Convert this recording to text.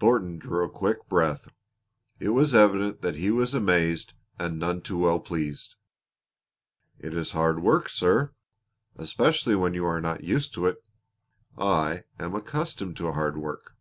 Thornton drew a quick breath. It was evident that he was amazed and none too well pleased. "It is hard work, sir especially when you are not used to it." "I am accustomed to hard work."